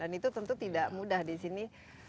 dan itu tentu tidak mudah di sini